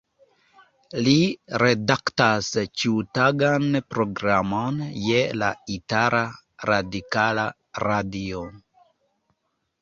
Li redaktas ĉiutagan programon je la itala Radikala Radio.